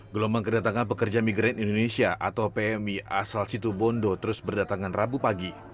gelombang kedatangan pekerja migren indonesia atau pmi asal situ bondo terus berdatangan rabu pagi